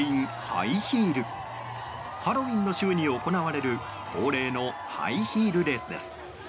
ハロウィーンの週に行われる恒例のハイヒールレースです。